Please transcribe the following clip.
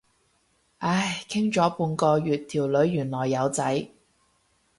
唉，傾咗半個月，條女原來有仔。